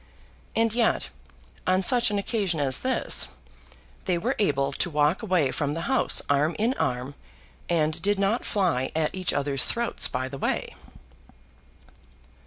And yet, on such an occasion as this, they were able to walk away from the House arm in arm, and did not fly at each other's throat by the way.